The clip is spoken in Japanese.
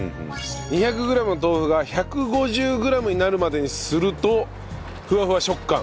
２００グラムの豆腐が１５０グラムになるまでにするとふわふわ食感。